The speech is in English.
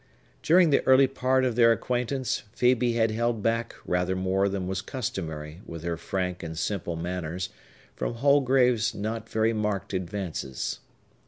During the early part of their acquaintance, Phœbe had held back rather more than was customary with her frank and simple manners from Holgrave's not very marked advances.